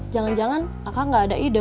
jangan jangan aku nggak ada ide